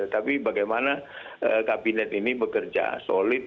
tapi bagaimana kabinet ini bekerja solid